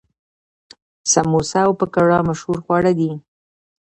سموسه او پکوړه مشهور خواړه دي.